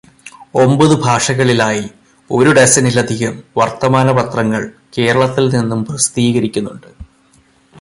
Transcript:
ഒമ്പത് ഭാഷകളിലായി ഒരു ഡസനിലധികം വർത്തമാനപത്രങ്ങൾ കേരളത്തിൽ നിന്നും പ്രസിദ്ധീകരിക്കുന്നുണ്ട്.